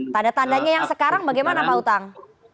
tanda tandanya yang sekarang bagaimana pak utang